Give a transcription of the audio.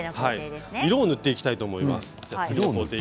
色を塗っていきたいと思います。